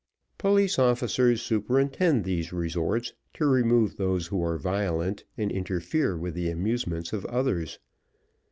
Police officers superintend these resorts to remove those who are violent, and interfere with the amusements of others.